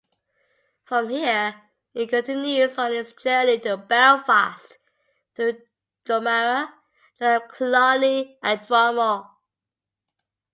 From here it continues on its journey to Belfast through Dromara, Donaghcloney and Dromore.